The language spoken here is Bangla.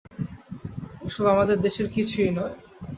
ও-সব আমাদের দেশের কিছুই নয়।